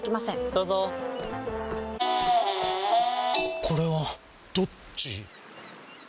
どうぞこれはどっち？